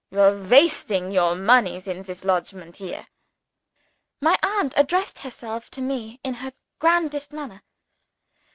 You are wasting your moneys in this lodgment here." My aunt addressed herself to me in her grandest manner.